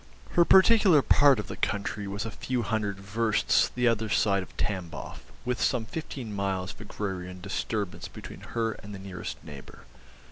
Her particular part of the country was a few hundred versts the other side of Tamboff, with some fifteen miles of agrarian disturbance between her and the nearest neighbour.